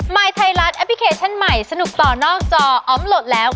ยไทยรัฐแอปพลิเคชันใหม่สนุกต่อนอกจออมโหลดแล้ว